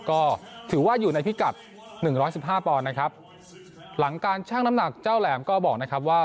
ก็ถือว่าอยู่ในพิกัดหนึ่งร้อยสิบห้าปอนด์นะครับหลังการชั่งน้ำหนักเจ้าแหลมก็บอกนะครับว่า